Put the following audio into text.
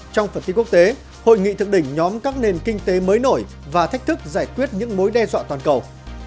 trong phần tin quốc tế hội nghị thượng đỉnh nhóm các nền kinh tế mới nổi và thách thức giải quyết những mối đe dọa toàn cầu